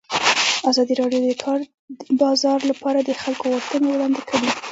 ازادي راډیو د د کار بازار لپاره د خلکو غوښتنې وړاندې کړي.